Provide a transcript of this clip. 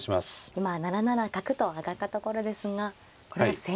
今７七角と上がったところですがこれは戦型は。